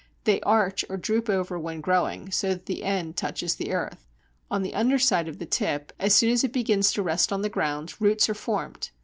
They arch or droop over, when growing, so that the end touches the earth. On the underside of the tip, as soon as it begins to rest on the ground, roots are formed.